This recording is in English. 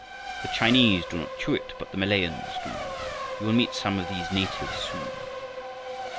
The Chinese do not chew it, but the Malayans do. You will meet some of these natives soon."